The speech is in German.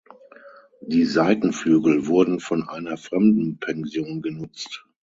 Die Seitenflügel wurden von einer Fremdenpension genutzt.